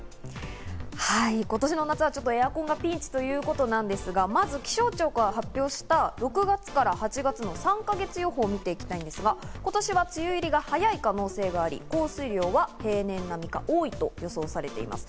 今年の夏はちょっとエアコンがピンチということなんですが、まず気象庁が発表した６月から８月の３か月予報を見ていきたいんですが、今年は梅雨入りが早い可能性があり、降水量は平年並みか多いと予想されています。